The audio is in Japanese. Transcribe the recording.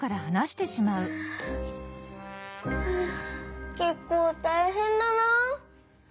ふっけっこうたいへんだな。